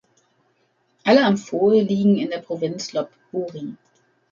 Alle Amphoe liegen in der Provinz Lop Buri.